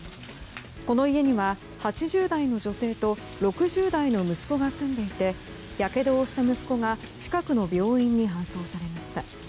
この家には、８０代の女性と６０代の息子が住んでいてやけどをした息子が近くの病院に搬送されました。